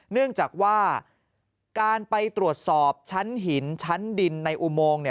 เนื่องจากว่าการไปตรวจสอบชั้นหินชั้นดินในอุโมง